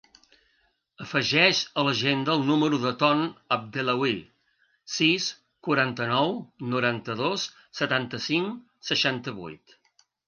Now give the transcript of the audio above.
Afegeix a l'agenda el número del Ton Abdellaoui: sis, quaranta-nou, noranta-dos, setanta-cinc, seixanta-vuit.